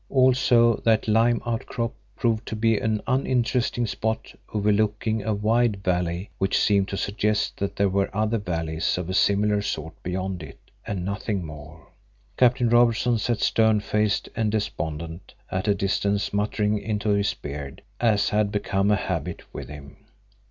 Also that lime outcrop proved to be an uninteresting spot overlooking a wide valley which seemed to suggest that there were other valleys of a similar sort beyond it, and nothing more. Captain Robertson sat stern faced and despondent at a distance muttering into his beard, as had become a habit with him.